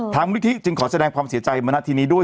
มูลนิธิจึงขอแสดงความเสียใจมาณทีนี้ด้วย